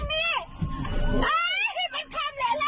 มา